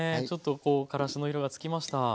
ちょっとこうからしの色がつきました。